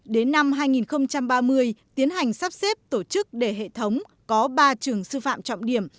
đến năm hai nghìn ba mươi tiến hành sắp xếp tổ chức để hệ thống có ba trường sư phạm trọng điểm